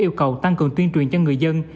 yêu cầu tăng cường tuyên truyền cho người dân